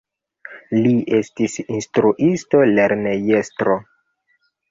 Li estis instruisto, lernejestro.